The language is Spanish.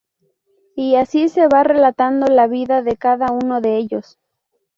Y así se va relatando la vida de cada uno de ellos.